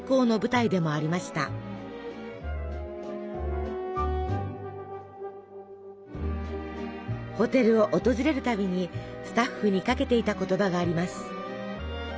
ホテルを訪れるたびにスタッフにかけていた言葉があります。